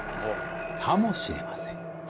かもしれません